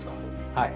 はい。